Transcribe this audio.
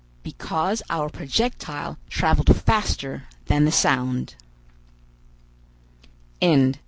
"Because our projectile traveled faster than the sound!"